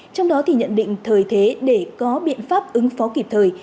trong đó thì nhận định thời thế để có biện pháp ứng phó kịp thời